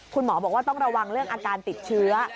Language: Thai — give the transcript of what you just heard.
คุณหมอบอกว่าต้องระวังเรื่องอาการติดเชื้อ